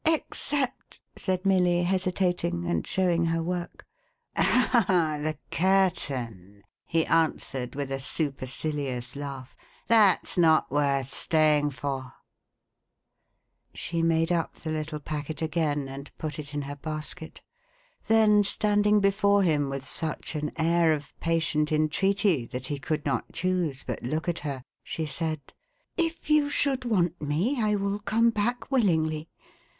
"Except —" said Milly, hesitating, and showing her work. " Oh ! the curtain," he answered, with a supercilious laugh. " That's not worth staying for." A DREADFUL GIF1\ 475 She made up the little packet again, and put it in her basket. Then, standing before him with such an air of patient entreaty that he could not choose but look at her, she said : "If you should want me, I will come back willinglv.